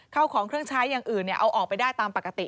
เข้าของเครื่องใช้อย่างอื่นเอาออกไปได้ตามปกติ